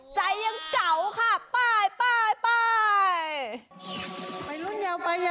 ใจยังเกาค่ะไปไปบ้าย